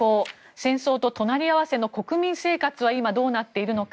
戦争と隣り合わせの国民生活は今どうなっているのか。